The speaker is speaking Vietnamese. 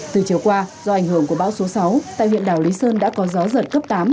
từ chiều qua do ảnh hưởng của bão số sáu tại huyện đảo lý sơn đã có gió giật cấp tám